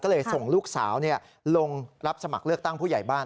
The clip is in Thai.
ก็เลยส่งลูกสาวลงรับสมัครเลือกตั้งผู้ใหญ่บ้าน